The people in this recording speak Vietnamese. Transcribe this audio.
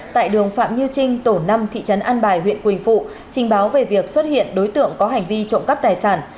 tại đường phạm như trinh tổ năm thị trấn an bài huyện quỳnh phụ trình báo về việc xuất hiện đối tượng có hành vi trộm cắp tài sản